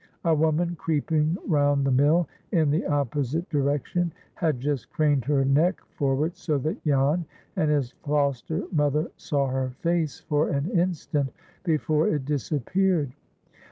A woman creeping round the mill in the opposite direction had just craned her neck forward so that Jan and his foster mother saw her face for an instant before it disappeared.